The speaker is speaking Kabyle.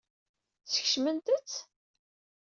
Skecment-tt?